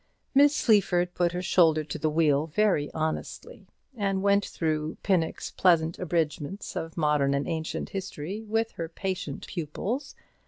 Miss Sleaford put her shoulder to the wheel very honestly, and went through Pinnock's pleasant abridgments of modern and ancient history with her patient pupils.